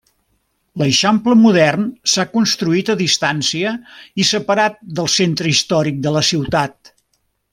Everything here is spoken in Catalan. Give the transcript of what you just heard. L'eixample modern s'ha construït a distància i separat del centre històric de la ciutat.